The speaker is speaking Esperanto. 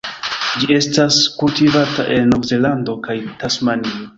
Ĝi estas kultivata en Novzelando kaj Tasmanio.